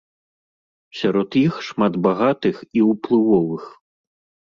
Сярод іх шмат багатых і ўплывовых.